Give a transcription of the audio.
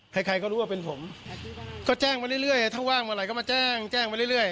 ใครใครก็รู้ว่าเป็นผมก็แจ้งมาเรื่อยถ้าว่างเมื่อไหร่ก็มาแจ้งแจ้งไปเรื่อย